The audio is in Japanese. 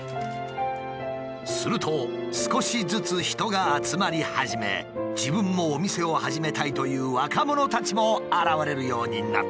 すると少しずつ人が集まり始め自分もお店を始めたいという若者たちも現れるようになった。